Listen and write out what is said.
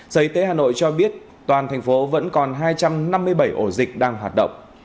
giới tế hà nội cho biết toàn thành phố vẫn còn hai trăm năm mươi bảy ổ dịch đang hoạt động